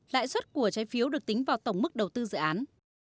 lãi suất của trái phiếu được tính vào tổng mức đầu tư dự án